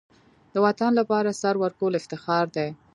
د وطن لپاره سر ورکول افتخار دی.